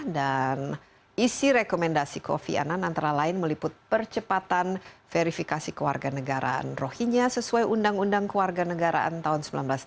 dan isi rekomendasi kofi anan antara lain meliput percepatan verifikasi kewarganegaraan rohingya sesuai undang undang kewarganegaraan tahun seribu sembilan ratus delapan puluh dua